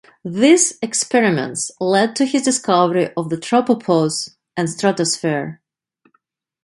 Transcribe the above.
These experiments led to his discovery of the tropopause and stratosphere.